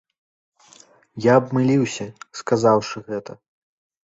Я абмыліўся, сказаўшы гэта.